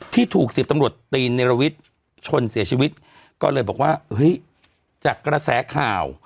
ที่ถูกสิบตำรวจตีนเนรวิทย์ชนเสียชีวิตก็เลยบอกว่าเฮ้ยจากกระแสข่าว